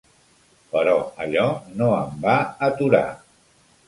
Però allò no em va aturar.